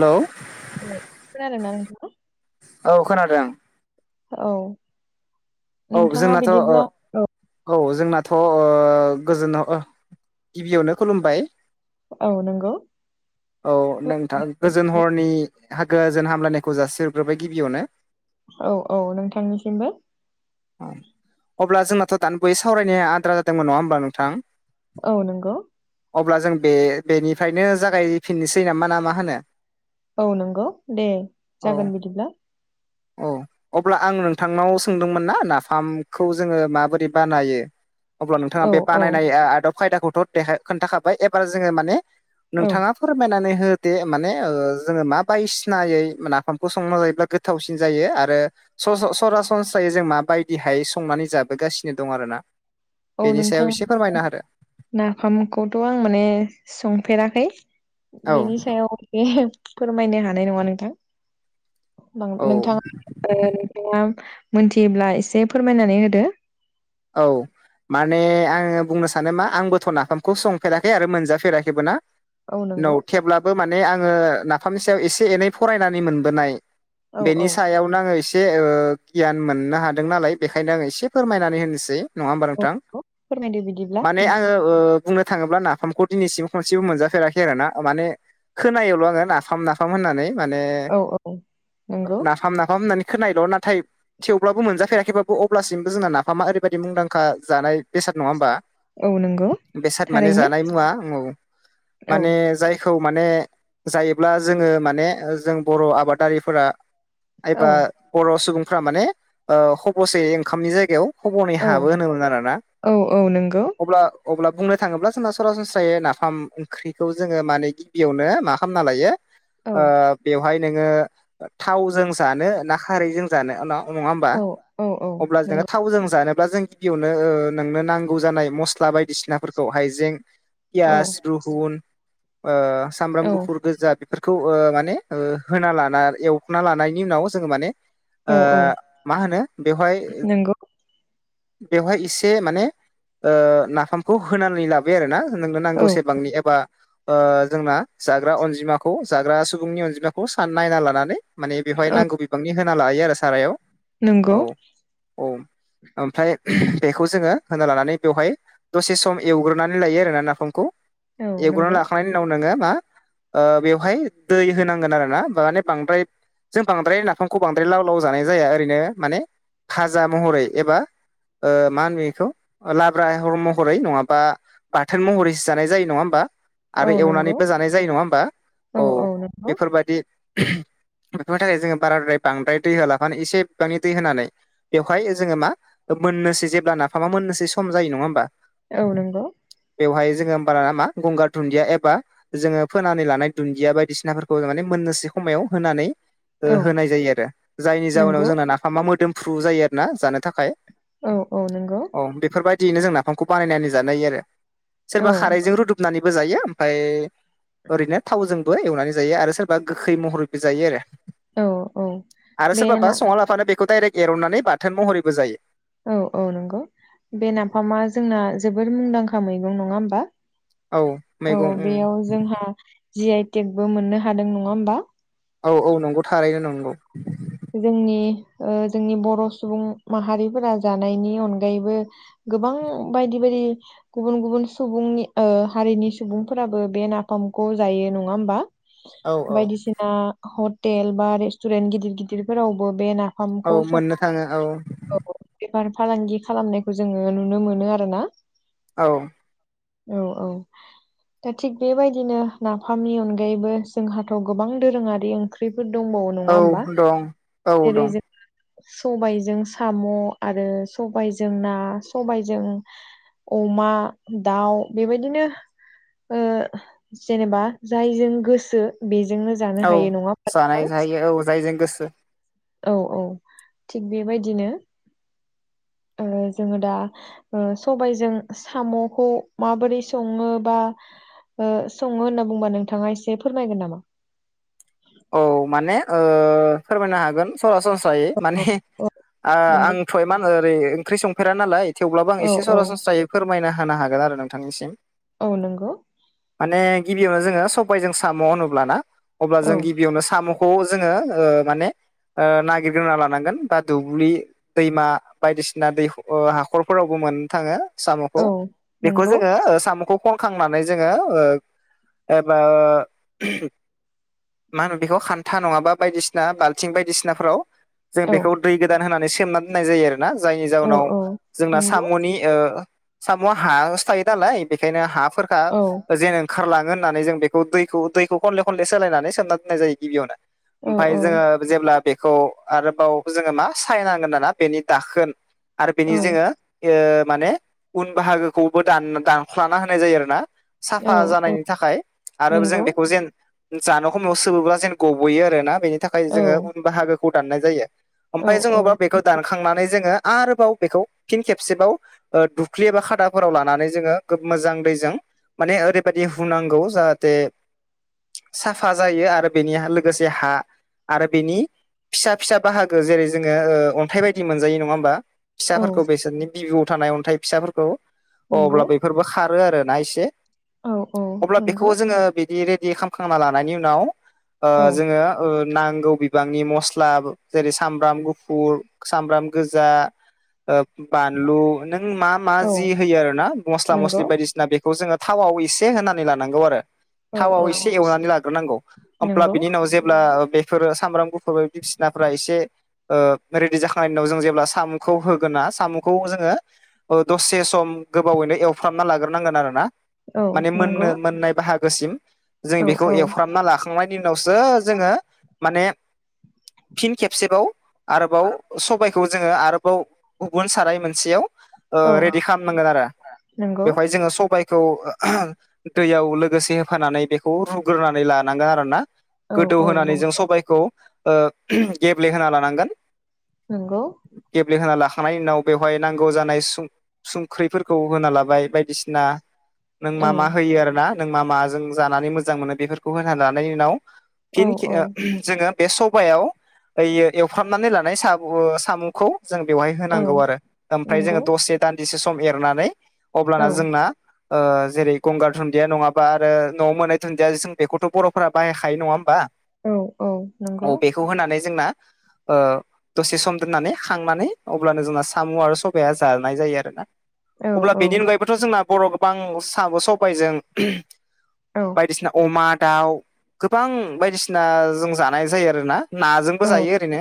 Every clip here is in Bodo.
हेल' औ खोनादों ना नोंथां? औ खोनादों। औ औ नोंथाङा जोंनाथ' ओ बिदिब्ला औ जोंनाथ' ओ गोजोनाव अ गिबियावनो खुलुमबाय औ नोंगौ औ नोंथां गोजोन हरनि हा गोजोन हामलायनायखौ जासि हरग्रोबाय गिबियावनो औ औ नोंथांनिसिमबो अब्ला जोंनाथ' दानि बावै सावरायनाया आद्रा जादोंमोन नङा होमबा नोंथां औ नोंगौ अब्ला जों बे-बेनिफ्रायनो जागायफिननोसै नामा ना मा होनो औ नोंगौ दे औ जागोन बिदिब्ला औ अब्ला आं नोंथांनाव सोंदोंमोन ना नाफामखौ जोङो माबोरै बानायो अब्ला नोंथाङा औ बे औ बानायनाय आदब खायदाखौथ' दे खोन्थाखाबाय एबार जोङो माने औ नोंथाङा फोरमायनानै होदे माने ओ जोङो मा बायसिनायै मान नाफामखौ संना जायोब्ला गो गोथावसिन जायो आरो स-स-सरासनस्रायै जों मा बाय दिहाय संनानै जाबोगासिनो दं आरोना औ बेनि सायाव नोंथां एसे फोरमायना होदो नाफामखौथ' आं माने संफेराखै औ बेनि सायाव बे फोरमायनो हानाय नङा नोंथां बां औ नोंथाङा ओ नोंथाङा मोनथियोब्ला एसे फोरमायनानै होदो औ माने आङो बुंनो सानो मा आंबोथ' नाफामखौ संफेराखै आरो मोनजाफेराखैबो ना औ नौ नंगौ थेब्लाबो माने आङो नाफामनि सायाव एसे एनै फरायनानै मोनबोनाय औ बेनि औ सायावनो आङो एसे गियान मोननो हादों नालाय बेखायनो आङो एसे फोरमायनानै होनो सै नङा होमबा औ नोंथां नंगौ फोरमायदो बिदिब्ला माने नोंथां आङो ओ बुंनो थाङोब्ला नाफामखौ दिनैसिम खनसेबो मोनजाफेराखै आरो ना माने खोनायोल' आङो नाफाम नाफाम होननानै माने औ औ नंगौ नाफाम नाफाम होननानै खोनायल' ना थाय थेवब्लाबो मोनजफेराखैबाबो अब्लासिबो जों नफामा ओरै बायदि मुंदांखा जानाय बेसाद नङा होमबा औ नंगौ बेसाद माने थारैनो जानाय मुवा औ औ औ माने जाय खौ माने जायोब्ला जोङो माने जों बर' आबादारिफोरा एबा औ बर' सुबुंफ्रा माने हबसेयै ओंखामनि जायगायाव खबनै हाबो औ होनोमोन आरोना औ औ नंगौ अब्ला अब्ला बुंनो थाङोब्ला जोंना सरासनस्रायै नाफाम ओंख्रिखौ जोङो माने गिबियावनो मा खामना लायो औ ओ बेवहाय नोङो थावजों जानो ना खारैजों जानो‌ उनाव नङा होमबा औ औ औ अब्ला जोङो नंगौ थावजों जा जानोब्ला जों गिबियावनो नोंनो नांगौ जानाय मस्ला बायदिसिनाफोरखौ हाइजें औ पियास रुहुन ओ सामब्राम औ गुफुर गोजा बेफ फोरखौ माने होना लाना एवना लानायनि उनाव जोङो माने औ ओ औ मा होनो बेवहाय नंगौ बेवहाय एसे माने नाफामखौ होनानै लाबो बे आरो ना नोंनो नांगौ औ सेबांनि एबा ओ जोंना जाग्रा अनजिमाखौ जाग्रा सुबुंनि अनजिमाखौ नायना लानानै। माने बेवहाय औ नांगौ बिबांनि होना लायो आरो सारायाव नंगौ औ औ। ओमफ्राय बेखौ जोङो होना लानानै बेवहाय दसे सम एवग्रोनानै लायो आरोना नाफामखौ औ एवग्रोना नंगौ लाखांनायनि उनाव नोङो मा ओ बेवहाय दै होनांगोन आरो ना माने बांद्राय जों बांद्राय नाफामखौ बांद्राय लाव लाव जानाय जाया ओरैनो माने फाजा महरै एबा ओ मा होनो बेखौ लाब्रा हर महरै नङाबा बाथोन महरैसो जानाय जायो नङा होमबा आरो औ नंगौ एवनानैबो जानाय जायो नङा होमबा औ बेफोरबायाददि बेफोरनि थाखाय जोङो बाराद्राय बांद्राय दै होलाफानो एसे बिबांनि दै होनानै बेवहाय जोङो मा मोननोसै जेब्ला नाफामा मोननोसै सम जायो नङा होमबा। औ नंगौ। बेवहाय जोङो होमबाना नामा गंगार दुनन्दिया एबा जोङो फोनानै लानाय दुन्दिया बायदिसिनाफोरखौ माने मोनननोस समायाव होनानै औ होनाय जायो आरो जायनि जाउोनाव नंगौ जोंना नाफामा मोदोमफ्रु जायो आरो ना जानो थाखाय। औ औ नंगौ। औ बेफोरबायदिैनो जों नाफामखौ बानायनानै जानाय हायो आरो सोरबा औ खारजों रुदु बनानैबो जायो ओमफफ्राय ओरैनो थावजोंबो एवनानै जायो आरो सोरबा गोखै महरैबो जायो आरो औ औ आरो बे ना सोरबाबा सङना लाफानो बेखौ डाइरेक्ट एरवनानै बाथोन महरैबो जायो। औ औ नंगौ बे नाफामा जोंना जोबद मुंदांखा मैगं नङा होमबा। औ औ मैगं उम बेयाव जोंहा जि आइ थेगबो मोननो हादों नङा होनबा। औ औ नंगौ थारैनो नंगौ। जोंनि जोंनि बर' सुबुं माहारिफोरा जानायनि अनगायैबो गोबां बायदि बायदि। गुबुन गुबुन सुबुंनि हारिनि सुबुंफोराबो बे नाफामखौ जायो नङा होमबा। औ औ बायदिसिना हटेल बा रेस्टुरेन्ट गिदिर गिदिरफोरावबो बेना औ मोननो थाङो औ। औ बेफार फालांगि खालामनायखौ जोङो नुनो मोनो आरो ना। औ औ औ। दा थिग बेबायदिनो नाफामनि अनगायैबो जोंहाथ' गोबां दोरोङारि ओंख्रिफोर दंबावो। औ नङा होमबा? दं। औ जेरै दं जों सबायजों साम' आरो सबायजों ना सबायजों अमा दाउ बेबायदिनो ओ जेनेबा जायजों गोसो बेजोंनो जानो औ हायो नङा होनबा जानाय जायो नोंथां। औ जायजों गोसो औ औ थिग बेबायदिनो जोङो दा ओ सबायजों साम'खौ माबोरै सङो बा ओ सङो होनना बुंबा नोंथाङा एसे फोरमायगोन नामा? औ माने फोरमायनो हागोन। सरासनस्रायै माने नोंगौ आंथ' मा ओरै ओंख्रि संफेरा नालाय। थेवब्लाबो आं औ एसे औ सरासनस्रायै फोरमायना होनो हागोन आरो नोंथांनिसिम। औ नंगौ। माने गिबियावनो जोङो सबायजों साम' होनोब्लाना अब्ला औ जों गि बियावनो साम'खौ जोङो माने नागिरग्रोना लानांगोन बा दुब्लि दैमा बायदिसिना दै हाखरफोरावबो मोननो थाङो। साम'खौ औ बेखौ नंगौ जोङो साम'खौ खनखांनानै जोङो एबा मा होनो बेखौ हान्था नङाबा बायदिसिना बाल्थिं बायदिसिनाफोराव जों औ बेखौ दै गोदान होनानै सोमना दोननाय जायो आरोोना जायनि औ जााहनाव औ जोंना नंगौ साम'नि ओ साम'आ हासो थायो नालाय बेखायनो हाफोरखा औ जेन खारलाङो होननानै जों बेखौ दैखौ दैखौ खनले खनले सोलायनानै सोमना दोननाय जायो गिबियावनो। औ ओमफाय औ जोङो जेब्ला बेखौ आरोबाव जोङो मा सायनांगोन नाना बेनि दाखोन आरो बेनि औ जोङो ओ माने उन बाहागोखौबो दान दानख्लाना होनाय जायो आरोना औ साफा औ जानायनि थाखाय आरो जों नंगौ बेखौ जेन जानो समाव सोबोब्ला जेन गब'यो आरोना बेनि थाखाय जोङो औ उन बाहागोखौ दाननाय जायो औ ओमफ्राय जोङो अबा औ बेखौ दानखांनानै जोङो आरोबाव बेखौ फिन खेबसेबाव ओ दुख्लि एबा खादाफोराव लानानै जोङो मोजां दैजों माने ओरैबायदि होनुनांगौ जाहाथे साफा जायो आरो बेनि लोगोसे हा आरो बेनि फिसा फिसा बाहागो जेरै जोङो ओ अन्थाइ बायदि मोनजायो नङा होमबा औ फिसाफोरखौ बेसोरनि बिबौ थानाय अन्थाइ फिसाफोरखौ अ नंगौ अब्ला बेफोरबो खारो आरोना एसे औ औ अब्ला नंगौ बेखौ जोङो बिदि रेडि खालामखांना लानायनि उनाव ओ औ जोङोओ नांगौ बिबांनि मस्ला जेरै सामब्राम गुफुर सामब्राम गोजा ओ बानलु नों मा मा जि औ होयो आरो ना मस्ला नंगौ मस्लि बायदिसिना बे जोङो थावयाव एसे होनानै लांगौ आरो औ थावाव औ एसेनानै नांगौ होमब्ला नंगौ बिनि उनाव जेब्ला बेफोरो सामब्राम गुफुर बायदिसिनाफोरा्रा एसे ओ रेडि जाखांनायनि उनाव जों जेब्ला साम'खौ होगोन ना साम'खौ जोङो ओ दसे सम गोबावैनो एवफ्रामना लाग्रोनांगोन आरो ना औ माने मोननो नंगौ मोननाय बाहागोसिम जों औ बेखौ खालामना लाखांनायनि उनावसो जोङो माने फिन खेबसेबाव आरोबाव सबाइखौ जोङो आरोबाव गुबुन साराय मोनसेयाव ओ औ रेडि खालामनांगोन आरो नंगौ बेवहाय जोङो सबाय खौ दैयाव लोगोसे होफानानै बेखौ रुग्रोनानै लानांगोन आरोना औ गोदौ औ होनानै जों सबायखौओ गेब्लेहोना लानांगोन नंगौ गेब्लेहोना लाखांनायनि उनाव बेवहाय नांगौ जानाय संख्रिफोरखौ होना लाबाय बायदिसिना नों औ मा मा औ होयो आरो ना नों मा माजों जानानै मोजां मोनो बेफोरखौ होना लानायनि उनाव फिन नंगौ जोङो बे सबायाव ओयो एवफ्रामनानै लानाय सु साम'खौ जों बेवहाय औ होनांगौ आरो औ औ ओमफ्राय जोङो नंगौ दसे दान्दिसे सम एरनानै अब्लाना औ जोंना जेरै गंगार दुनन्दिया नङाबा आरो न'आव मोनै दुनन्दिया जे बेखौथ' बर'फोरा बाहायखायो नङा होमबा औ औ नंगौ खौ होनानै जोंनाओ दसे सम दोननानै खांनानै अब्लानो जोंना साम' आरो सबाया जानाय जायो आरोोना औ अब्ला बेनि अनगायैबोथ' जोंना बर' गोबां साब' सबायजों बायदिसिना अमा दाउ गोबां बायदिसिना जों जानाय जायो आरोोना नाजोंबो जायो ओरैनो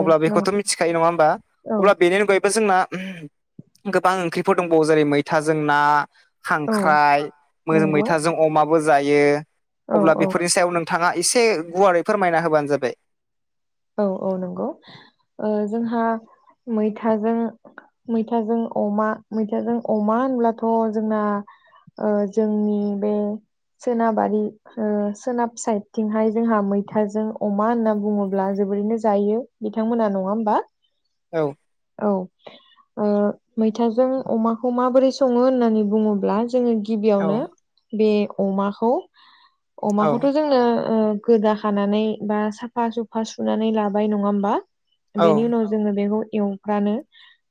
अब्ला बेखौथ' मिथिखायो नङा होमबा अब्ला बेनि अनगायैबो जोंना गोबां ओंख्रिफोर दंबावो जेरै मैथाजों ना खांख्राय मो मैथाजों अमाबो जायो अब्ला बेफोरनि सायाव नों थाङा एसे गुवारै फोरमायना होबानो जाबाय औ औ नंगौ जोंहा मैथाजों मैथाजों अमा मैथाजों अमा होनब्लाथ' जोंना जोंनि बे सोनाबारि सोनाब साइदथिंहाय जोंहा मैथाजों अमा होनना बुङोब्ला अब्ला जोबोरैनो जायो बिथांमोना नङा होमबा औ औ मैथाजों अमाखौ माबोरै सङो होननानै बुङोब्ला जोङो औ गिबियावनो बे अमाखौ औ अमाखौथ' जोंनो गोदा खानानै बा साफा सुफा सुनानै लाबाय नङा होमबा औ बेनि उनाव जोङो बेखौ एवफ्रानो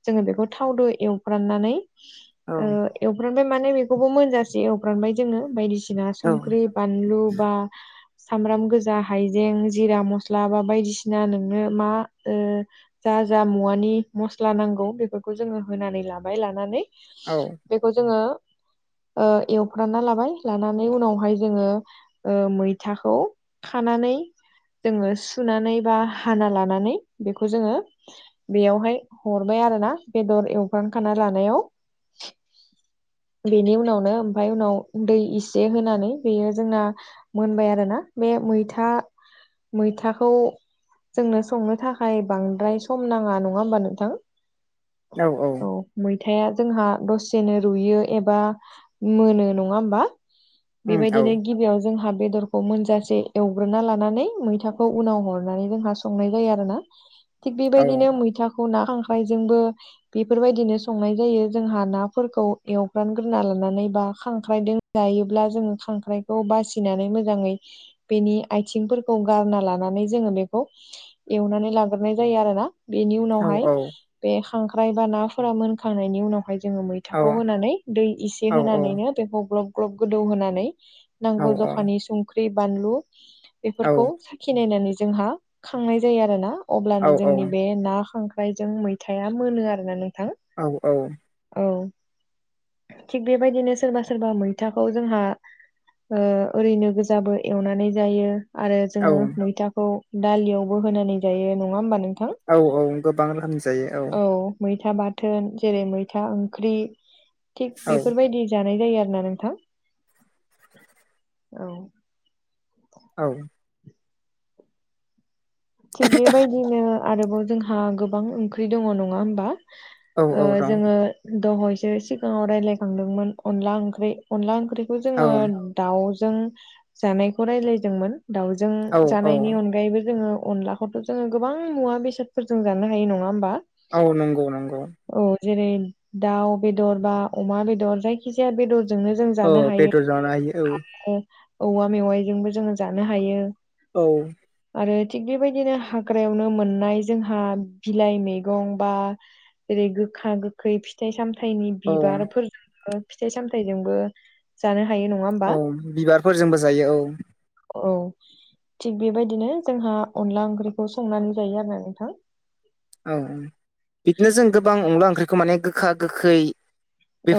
जोङो बेखौ थावजों एवफ्राननानै औ एवफ्रानबाय माने बेखौबो मोनजाासै एवफ्रानबाय जोङो बायदिसिना औ संख्रि बानलु बा सामब्राम गोजा हाइजें जिरा मस्ला बा बायदिसिना नोंनो मा जा जा मुवानि मस्ला नांगौ बेफोरखौ जोङो होनानै लाबाय लानानै औ बेखौ जोङो एवफ्रानना लाबाय लानानै उनावहाय जोङो मैथाखौ खानानै जोङो सुनानै बा हाना लानानै बेखौ जोङो बेयावहाय हरबाय आरो ना बेदर एवग्रांखाना लानायाव बेनि उनावनो ओमफफ्राय उनाव दै इसे होनानै बेयो जोंना मोनबाय आरो ना बे मैथा मैथाखौ जोंनो संनो थाखाय बांद्राय सम नाङा नङा होमबानोों दा औ औ मैथाया जोंहा दसेनो रुयो एबा मोनो नङा हबा उम औ बेबायदिनो गिबियाव जोंहा बेदर मोनजासे एवग्रोना लानानै मैथाखौ उनाव हरनानै जोंहा संनाय जायो आरो ना थिग औ बेबायदिनो मैथाखौ ना खांख्रायजोंबो बेफोरबायदिनो संनाय जायो जोंहा नाफोरखौ एवग्रानग्रोना लानानै बा खांख्रायदों जायोब्ला जोङो खांख्राइखौ बासिनानै मोजाङै बेनि आथिंफोरखौ गारना लानानै जोङो बेखौ एवनानै लाग्रोनाय जायो आरोोना बेनि उनाव औ औ बे खांख्राइ बा नाफोरा मोनखांनायनि उनावहाय जोङो मै औ फिथाखौ होनानै दै इसे औ औ होनानैनो दैखौ ग्लब ग्लब गोदौ होनानै औ नांगौ जखानि संख्रि बानलु बेफोरखौ खिनायनानै जोंहा खांनाय जायो आरो ना अब्लानो जोंनि बे नाां आमाय जों मैथाया मोनो आरो ना नोंथां औ औ औ थिग बेबायदिनो सोरबा सोरबा मैथाखौ जोंहा ओरैनो गोजाबो एवनानै जायो आरो औ जोङो मैथाखौ दालियावबो होनानै जायो नङा होमबा नोंथां औ- औ गोबां रोखोमनि जायो औ- मैथा बाथोन जेरै मैथा ओंख्रि थिग औ बेफोरबायदि जानाय जायो आरोना नोंथां औ- औ थिग बेबायदिनो आरोबाव जोंहा गोबां ओंख्रि दङ नङा होमबा औ औ ओ- दं जोङो दहयसो सिगाङाव रायलायखांदोंमोन अनला ओंख्रि अनला ओंख्रिखौ जों- औ- दाउजों जानायखौ राय्लायदोंमोन दाउजों औ औ जानायनि अनगायैबो जोङो अनलाखौथ' जोङो गोबां मुवा बेसादफोरजों जानो हायो नङा होमबा औ नंगौ नंगौ औ जेरै दाउ बेदर बा अमा बेदर जायखि जाया बेदरजोंनो जों औ जानो हायो बेदर जानो हायो आरो औवा मेवाइजोंबो जोङो जानो हायो औ आरो थिग बेबायदिनो हाग्रायावनो मोननाय जोंहा बिलाइ मैगं बा- रै गोखा गोख खै फिथाइ सामथायाइनि औ बिबारफोरजोंबो फिथाइ सामथायाइजोंबो जानो हायो होमबा औ बिबारफोरजोंबो जायो औ औ थिग बेबायदिनो जोंहा अनला ओंख्रिखौ संनानै जायो आरोना नोंथां औ औ बिदिनो जों गोबां अनला ओंख्रिखौ माने गोखा गोखै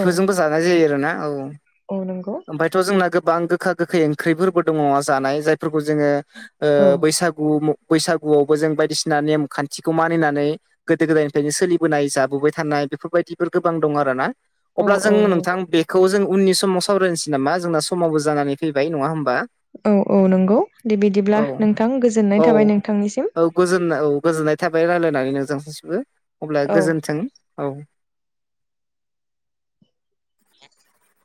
औ जानाय जायो आरोना औ औ नंगौ ओमफायथ' जोंना गोबां गोखा गोखै ओंख्रिफोरबो दङ जानाय जायफोरखौ जोङो ओ औ बैसागु बैसागुआवबो जों बायदिसिना नेम खान्थिखौ मानिना नै गोदो गोदायनिफ्रायनो सोलिबोनाय जाबोबाय थानाय बेफोरबायदिफोर गोबां दं आरोना औ अब्ला जों औ नंगौ नोंथां बे खौ जों उननि समाव सावरायनोसै नामा जोंना समावबो जानानै फैबाय नङा होमबा औ औ नंगौ दे औ बिदिब्ला नोंथां गोजोननाय थाबाय नोंथांनिसिम गोजोननाय औ गोजोननाय थाबाय रायलायनानै [unintelligible] अब्ला औ गोजोन्थों औ ए [unintelligible]